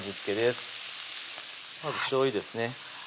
まずしょうゆですね